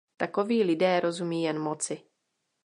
Takoví lidé rozumí jen moci.